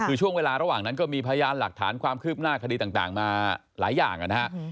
คือช่วงเวลาระหว่างนั้นก็มีพยานหลักฐานความคืบหน้าคดีต่างมาหลายอย่างนะฮะ